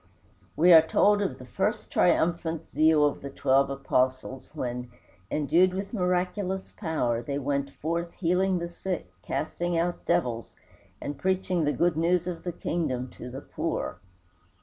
We are told of the first triumphant zeal of the twelve Apostles when, endued with miraculous power, they went forth healing the sick, casting out devils, and preaching the good news of the kingdom to the poor.